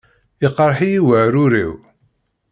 Iqṛeḥ-iyi weɛrur-iw.